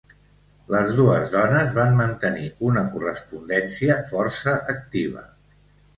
Les dues dones van mantenir una correspondència força activa.